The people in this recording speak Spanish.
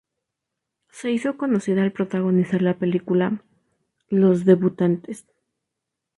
Se hizo conocida al protagonizar la película "Los debutantes".